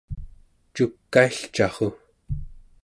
cukailcarru!